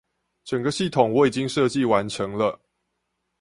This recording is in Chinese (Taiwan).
整個系統我已經設計完成了